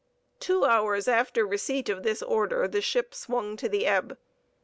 Two hours after receipt of this order the ship swung to the ebb.